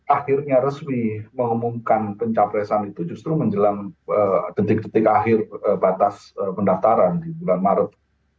akhirnya resmi mengumumkan pencapresan itu justru menjelang detik detik akhir batas pendaftaran di bulan maret